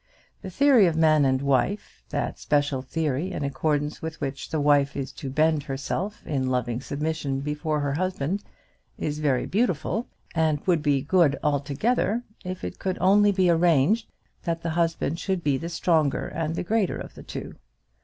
The theory of man and wife that special theory in accordance with which the wife is to bend herself in loving submission before her husband, is very beautiful; and would be good altogether if it could only be arranged that the husband should be the stronger and the greater of the two.